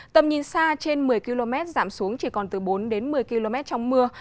tầm nhìn xa trên một mươi km giảm xuống chỉ còn từ bốn đến một mươi km trong mưa